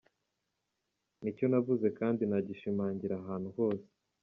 Ni icyo navuze kandi nagishimangira ahantu hose.”